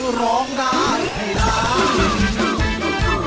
ร้องได้ให้ร้าน